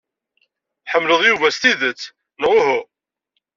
Tḥemmled Yuba s tidet, neɣ uhu?